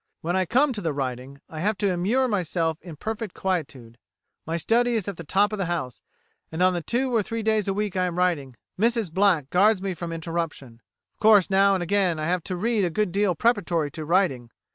When I come to the writing, I have to immure myself in perfect quietude; my study is at the top of the house, and on the two or three days a week I am writing, Mrs Black guards me from interruption. ... Of course, now and again, I have had to read a good deal preparatory to writing.